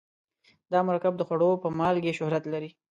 دا مرکب د خوړو په مالګې شهرت لري.